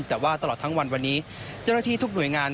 แต่ว่าตลอดทั้งวันวันนี้เจ้าหน้าที่ทุกหน่วยงาน